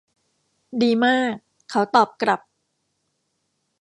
ดีมาก เขาตอบกลับ